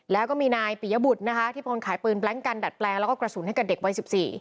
แล้วก็มีนายปิยบุตรนะคะที่พลขายปืนแบล็งกันดัดแปลงแล้วก็กระสุนให้กับเด็กวัย๑๔